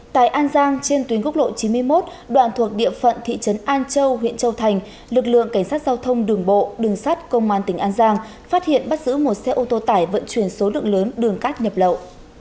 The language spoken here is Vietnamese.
tại an giang trên tuyến quốc lộ chín mươi một đoạn thuộc địa phận thị trấn an châu huyện châu thành lực lượng cảnh sát giao thông đường bộ đường sát công an tỉnh an giang phát hiện bắt giữ một xe ô tô tải vận chuyển số lượng lớn đường cát nhập lậu